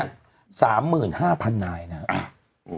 ๓๕๐๐นายนะครับ